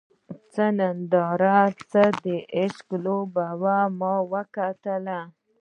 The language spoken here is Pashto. څه ننداره څه د عشق لوبه وه ما وګټله